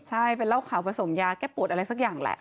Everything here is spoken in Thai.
ใช่เป็นเหล้าขาวผสมยาแก้ปวดอะไรสักอย่างแหละ